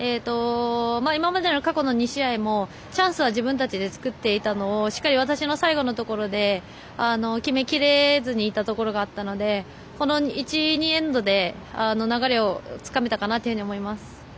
今までの過去の２試合もチャンスは自分たちで作っていたのをしっかり私の最後のところで決めきれずにいたところがあったのでこの１、２エンドで流れをつかめたかなと思います。